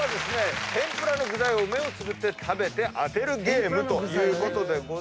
天ぷらの具材を目をつぶって食べて当てるゲームでございます。